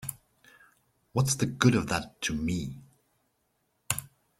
What's the good of that to me?